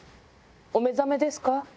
お目覚めですか？